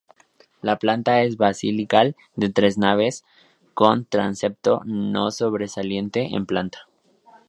La planta es basilical de tres naves con transepto no sobresaliente en planta.